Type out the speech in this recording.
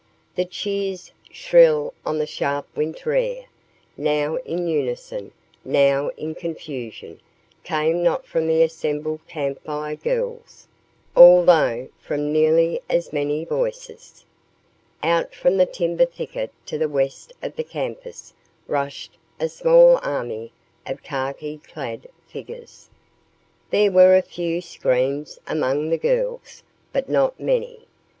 The cheers, shrill on the sharp winter air, now in unison, now in confusion, came not from the assembled Camp Fire Girls, although from nearly as many voices. Out from the timber thicket to the west of the campus rushed a small army of khaki clad figures. There were a few screams among the girls, but not many.